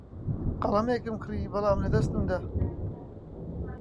قەڵەمێکم کڕی، بەڵام لەدەستم دا.